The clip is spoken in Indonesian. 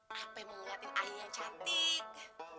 apa mau ngeliatin air yang cantik